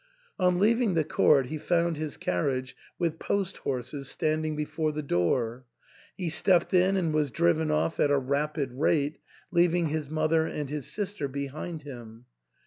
On leaving the court he found liis carriage, with post horses, standing before the door ; he stepped in and was driven off at a rapid rate, leav ing his mother and his sister behind him.